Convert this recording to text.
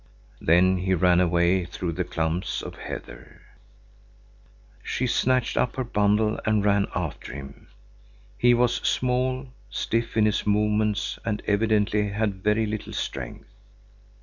Then he ran away through the clumps of heather. She snatched up her bundle and ran after him. He was small, stiff in his movements and evidently had very little strength.